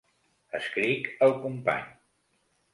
Escric al company.